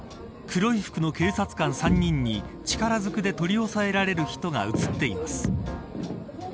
黒い服の警察官３人に力ずくで取り押さえられる人が映っています。